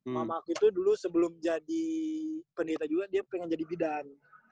mamaku itu dulu sebelum jadi pendeta juga dia pengen jadi bidan